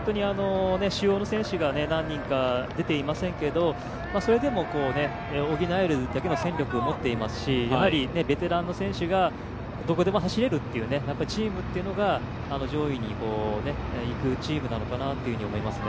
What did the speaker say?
主要な選手が何人か出ていませんけれども、それでも補えるだけの戦力を持っていますしベテランの選手がどこでも走れるというチームが上位にいくチームなのかなと思いますね。